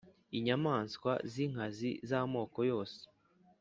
Inyamaswa z inkazi z amoko yose